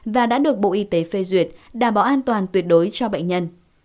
và đã được bộ y tế phê duyệt đảm bảo an toàn tuyệt đối cho bệnh nhân